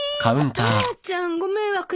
タラちゃんご迷惑よ。